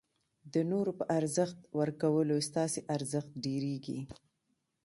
د نورو په ارزښت ورکولو ستاسي ارزښت ډېرېږي.